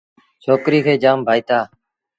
ڇوڪريٚ کي جآم ڀآئيٚتآ۔